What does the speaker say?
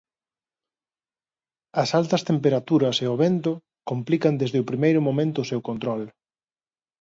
As altas temperaturas e o vento complican desde o primeiro momento o seu control.